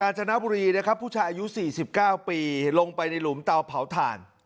จนบุรีนะครับผู้ชายอายุ๔๙ปีลงไปในหลุมเตาเผาถ่าน